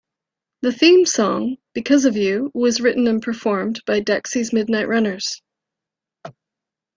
The theme song "Because of You" was written and performed by Dexys Midnight Runners.